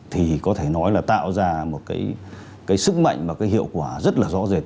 thì có thể nói là tạo ra một cái sức mạnh và cái hiệu quả rất là rõ rệt